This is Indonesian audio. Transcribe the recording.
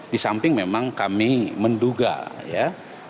di samping memang kami menduga ya